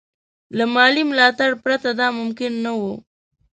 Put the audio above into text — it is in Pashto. له مالي ملاتړه پرته دا ممکن نه وو.